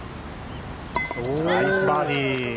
ナイスバーディー！